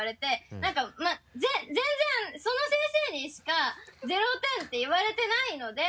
なんか全然その先生にしか０点って言われてないので。